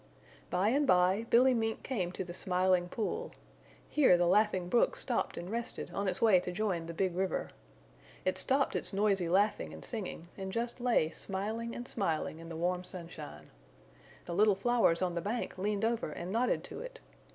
By and by Billy Mink came to the Smiling Pool. Here the Laughing Brook stopped and rested on its way to join the Big River. It stopped its noisy laughing and singing and just lay smiling and smiling in the warm sunshine. The little flowers on the bank leaned over and nodded to it.